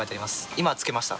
今つけました。